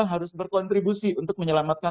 harus berkontribusi untuk menyelamatkan